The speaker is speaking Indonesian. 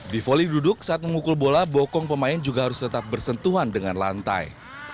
di volley duduk saat memukul bola bokong pemain juga harus tetap bersentuhan dengan lantai